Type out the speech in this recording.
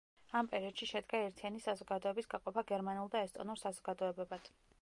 ამ პერიოდში შედგა ერთიანი საზოგადების გაყოფა გერმანულ და ესტონურ საზოგადოებებად.